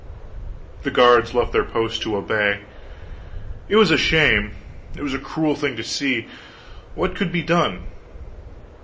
The guards left their posts to obey. It was a shame; it was a cruel thing to see. What could be done?